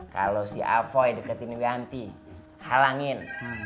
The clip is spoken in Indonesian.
kalau si avoy deketin ganti halangin